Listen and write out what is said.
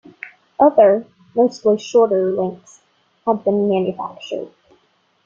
Other, mostly shorter lengths have been manufactured.